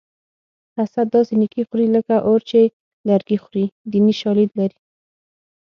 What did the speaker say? حسد داسې نیکي خوري لکه اور چې لرګي خوري دیني شالید لري